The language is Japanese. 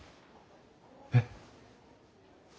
えっ？